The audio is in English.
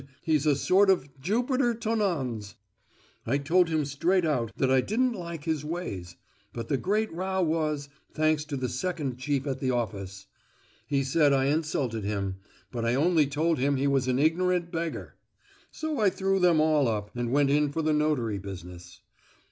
—he's a sort of Jupiter Tonans! I told him straight out that I didn't like his ways; but the great row was—thanks to the second chief at the office; he said I insulted him, but I only told him he was an ignorant beggar. So I threw them all up, and went in for the notary business.